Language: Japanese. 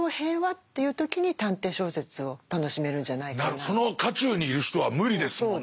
まあでもその渦中にいる人は無理ですもんね。